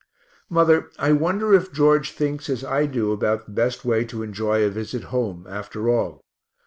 Mother, I wonder if George thinks as I do about the best way to enjoy a visit home, after all.